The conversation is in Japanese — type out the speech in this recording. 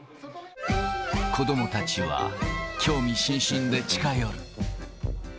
子どもたちは興味津々で近寄る。